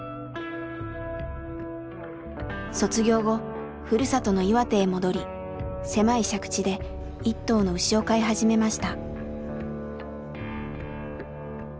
卒業後ふるさとの岩手へ戻り狭い借地で一頭の牛を飼い始めました。